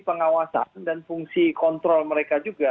pengawasan dan fungsi kontrol mereka juga